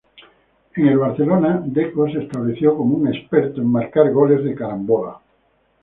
En el Barcelona, Deco se estableció como un experto en marcar goles de carambola.